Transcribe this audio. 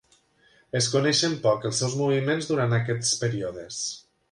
Es coneixen poc els seus moviments durant aquests períodes.